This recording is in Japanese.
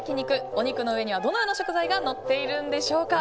お肉の上にはどのような食材がのっているんでしょうか。